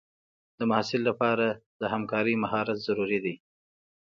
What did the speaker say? د محصل لپاره همکارۍ مهارت ضروري دی.